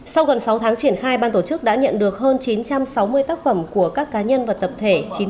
sau gần sáu tháng triển khai ban tổ chức đã nhận được hơn chín trăm sáu mươi tác phẩm của các cá nhân và tập thể